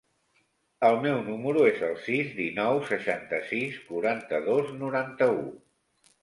El meu número es el sis, dinou, seixanta-sis, quaranta-dos, noranta-u.